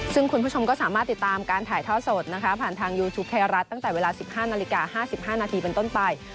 ซึ่งคุณผู้ชมก็สามารถติดตามการถ่ายท่อสดนะคะผ่านทางยูทูปไทยรัฐตั้งแต่เวลา๑๕นาฬิกา๕๕นาทีเป็นต้นไป